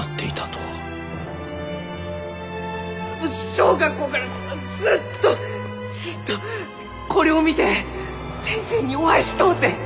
小学校からずっとずっとこれを見て先生にお会いしとうて！